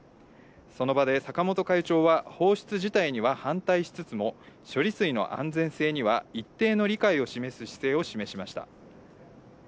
その場で、坂本会長は放出自体には反対しつつも、処理水の安全性には一定の理解を示す姿勢を示しました。